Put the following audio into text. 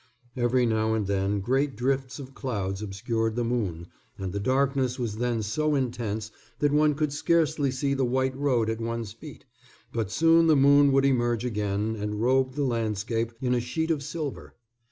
Every now and then great drifts of clouds obscured the moon, and the darkness was then so intense that one could scarcely see the white road at one's feet, but soon the moon would emerge again and robe the landscape in a sheet of silver.